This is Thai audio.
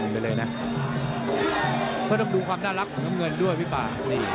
เขาถึงทำความน่ารักของเค้าเงินด้วยพี่ป่า